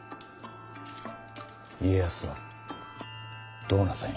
家康はどうなさいます？